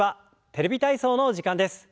「テレビ体操」の時間です。